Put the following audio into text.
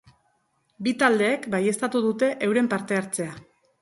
Bi taldeek baieztatu dute euren parte hartzea.